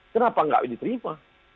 kenapa tidak diterima